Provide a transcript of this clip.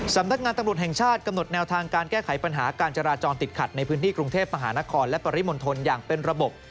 สำนักงานตำรวจแห่งชาติกำหนดแนวทางการแก้ไขปัญหาการจราจรติดขัดในพื้นที่กรุงเทพมหานครและปริมณฑลอย่างเป็นระบบ